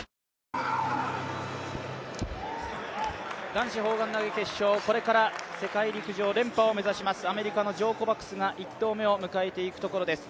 男子砲丸投決勝、これから世界陸上連覇を目指しますアメリカのジョー・コバクスが１投目を迎えていくところです。